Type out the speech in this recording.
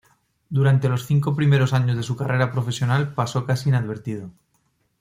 Durante los cinco primeros años de su carrera profesional pasó casi inadvertido.